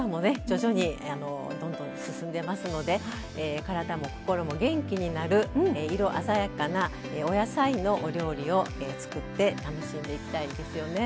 徐々にどんどん進んでますので体も心も元気になる色鮮やかなお野菜のお料理を作って楽しんでいきたいですよね。